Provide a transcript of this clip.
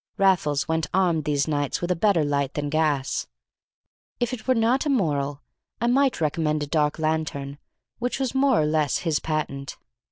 Raffles went armed these nights with a better light than gas; if it were not immoral, I might recommend a dark lantern which was more or less his patent.